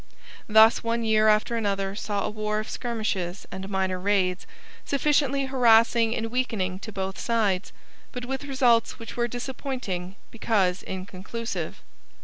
Thus one year after another saw a war of skirmishes and minor raids, sufficiently harassing and weakening to both sides, but with results which were disappointing because inconclusive.